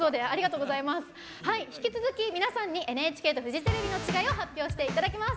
引き続き皆さんに「ＮＨＫとフジテレビのちがい」発表していただきます。